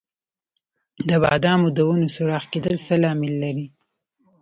د بادامو د ونو سوراخ کیدل څه لامل لري؟